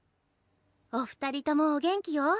お二人ともお元気よ。